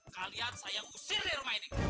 kalian saya usir di rumah ini